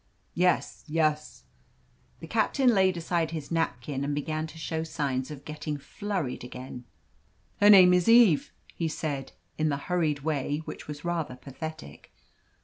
"Yes, yes!" The captain laid aside his napkin and began to show signs of getting flurried again. "Her name is Eve," he said, in the hurried way which was rather pathetic.